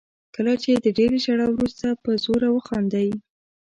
کله چې د ډېرې ژړا وروسته په زوره وخاندئ.